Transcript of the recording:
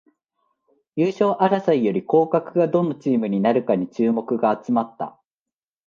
優勝争いより降格がどのチームになるかに注目が集まった